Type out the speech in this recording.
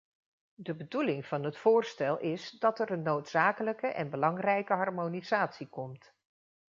De bedoeling van het voorstel is dat er een noodzakelijke en belangrijke harmonisatie komt.